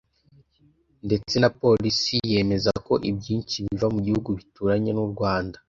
ndetse na polisi yemeza ko ibyinshi biva mu bihugu bituranye n’u Rwanda